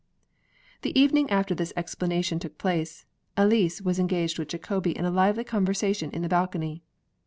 The evening after this explanation took place, Elise was engaged with Jacobi in a lively conversation in the balcony.